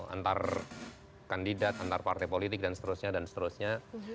antar kandidat antar partai politik dan seterusnya dan seterusnya